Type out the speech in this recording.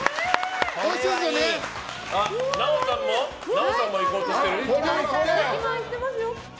奈緒さんもいこうとしている。